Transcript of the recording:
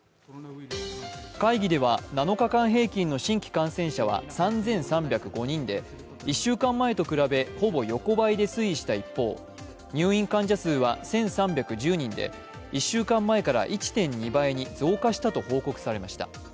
会議では７日間平均の新規感染者は３３０５人で１週間前と比べ、ほぼ横ばいで推移した一方入院患者数は１３１０人で、１週間前から１．２倍に増加したと報告されました。